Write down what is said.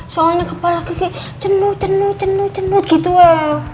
soalnya kepala kiki cendut cendut cendut cendut gitu ya